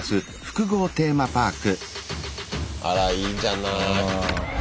あらいいんじゃない。